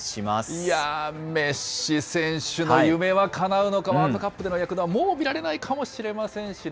いやぁ、メッシ選手の夢はかなうのか、ワールドカップの躍動はもう見られないかもしれませんしね。